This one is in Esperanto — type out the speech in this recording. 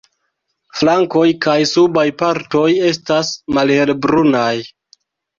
Flankoj kaj subaj partoj estas malhelbrunaj.